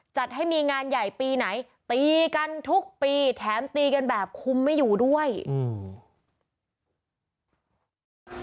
จัดให้มีงานใหญ่ปีไหนตีกันทุกปีแถมตีกันแบบคุมไม่อยู่ด้วยอืม